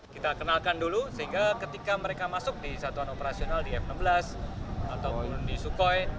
kita kenalkan dulu sehingga ketika mereka masuk di satuan operasional di f enam belas atau di sukhoi